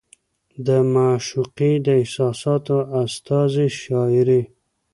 د معشوقې د احساساتو استازې شاعري